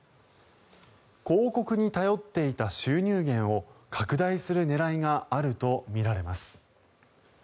広告に頼っていた収入源を拡大する狙いがあるとみられます。